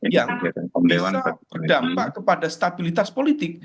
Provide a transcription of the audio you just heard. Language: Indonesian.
yang berdampak kepada stabilitas politik